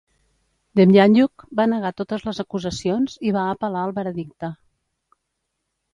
Demjanjuk va negar totes les acusacions i va apel·lar el veredicte.